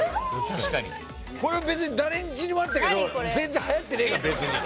これ別に誰んちにもあったけど全然はやってねえ別に。